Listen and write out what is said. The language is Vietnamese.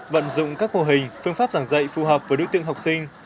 vận dụng các mô hình phương pháp giảng dạy phù hợp với đối tượng học sinh